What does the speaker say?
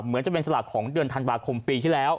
เหมือนจะเป็นสลากของเดือนธันวาคมปีที่แล้ว